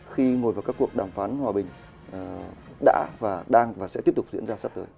khi ngồi vào các cuộc đàm phán hòa bình đã và đang và sẽ tiếp tục diễn ra sắp tới